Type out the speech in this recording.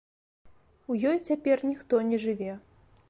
У ёй цяпер ніхто не жыве.